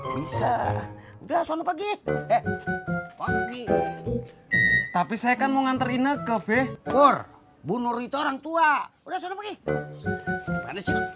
bisa udah sama pergi tapi saya kan mau ngantri negeri pur bunur itu orang tua